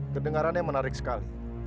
kedengarannya menarik sekali